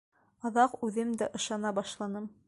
Аҙаҡ үҙем дә ышана башланым.